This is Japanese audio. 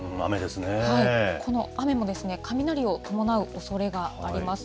この雨も、雷を伴うおそれがあります。